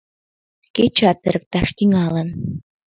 Кечат ырыкташ тӱҥалын.